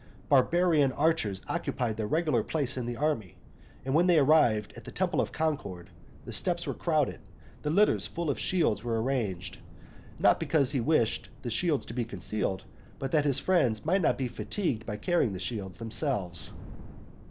Barbarian archers occupied their regular place in the army. And when they arrived at the temple of Concord, the steps were crowded, the litters full of shields were arranged; not because he wished the shields to be concealed, but that his friends might not be fatigued by carrying the shields themselves.